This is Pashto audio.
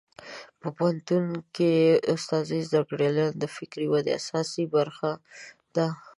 په پوهنتون کې استادان د زده کړیالانو د فکري ودې اساسي برخه ده.